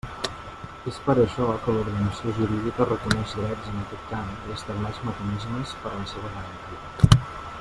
És per això que l'ordenació jurídica reconeix drets en aquest camp i estableix mecanismes per la seva garantia.